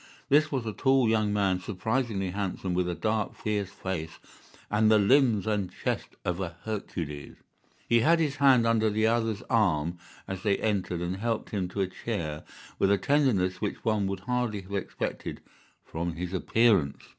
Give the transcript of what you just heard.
This was a tall young man, surprisingly handsome, with a dark, fierce face, and the limbs and chest of a Hercules. He had his hand under the other's arm as they entered, and helped him to a chair with a tenderness which one would hardly have expected from his appearance.